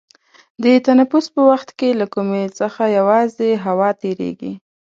د تنفس په وخت کې له کومي څخه یوازې هوا تیرېږي.